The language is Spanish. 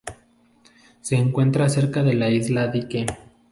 Se encuentra cerca de la isla Dyke.